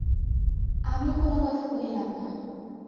আমিও কোনো কথা কহিলাম না।